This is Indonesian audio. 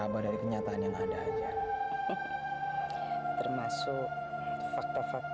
kalian mau ngamarin multi makeshift work for study